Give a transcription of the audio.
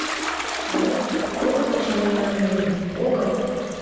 Палет, огыт вучо мемнам нуно, огыт!